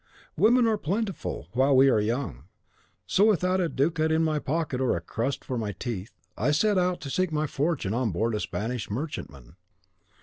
Women are plentiful while we are young. So, without a ducat in my pocket or a crust for my teeth, I set out to seek my fortune on board of a Spanish merchantman.